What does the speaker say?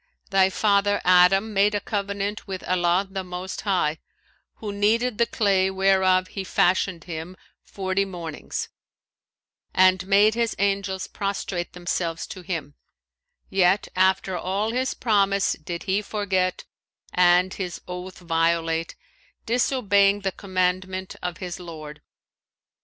Thy father Adam made a covenant with Allah the most High, who kneaded the clay whereof He fashioned him forty mornings and made His angels prostrate themselves to him; yet after all his promise did he forget and his oath violate, disobeying the commandment of his Lord."